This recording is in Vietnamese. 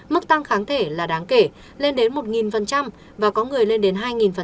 mức tăng kháng thể là đáng kể lên đến một và có người lên đến hai